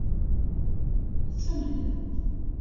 Ad tt-amnent?